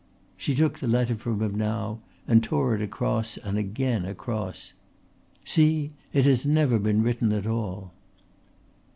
She took the letter from him now and tore it across and again across. "See! It has never been written at all."